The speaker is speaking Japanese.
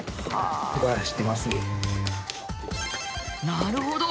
なるほど！